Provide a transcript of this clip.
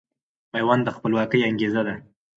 ميوند د خپلواکۍ انګېزه ده